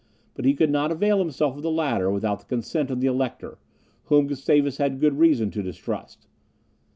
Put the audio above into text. But he could not avail himself of the latter without the consent of the Elector, whom Gustavus had good reason to distrust.